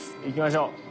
行きましょう。